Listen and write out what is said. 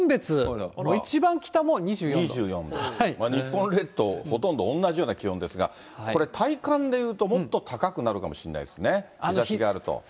日本列島、ほとんど同じような気温ですが、これ、体感でいうと、もっと高くなるかもしれないですね、日ざしがあると。